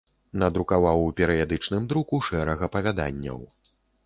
Надрукаваў у перыядычным друку шэраг апавяданняў.